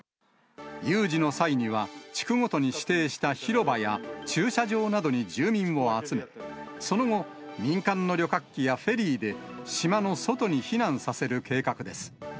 有事の際には、地区ごとに指定した、広場や駐車場などに住民を集め、その後、民間の旅客機やフェリーで、島の外に避難させる計画です。